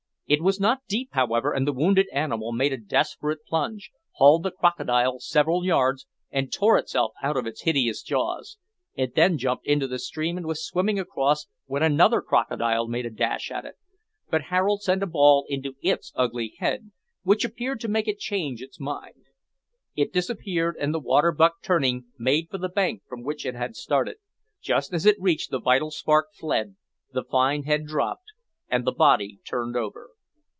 It was not deep, however, and the wounded animal made a desperate plunge, hauled the crocodile several yards, and tore itself out of its hideous jaws. It then jumped into the stream and was swimming across when another crocodile made a dash at it, but Harold sent a ball into its ugly head, which appeared to make it change its mind. It disappeared, and the water buck turning, made for the bank from which it had started. Just as it reached it the vital spark fled the fine head dropped and the body turned over.